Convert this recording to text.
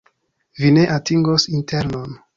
Vi ne atingos internon.